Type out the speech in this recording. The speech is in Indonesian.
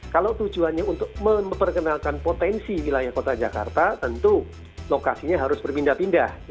kalau tujuannya untuk memperkenalkan potensi wilayah kota jakarta tentu lokasinya harus berpindah pindah